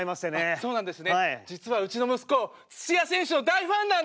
そうなんですか？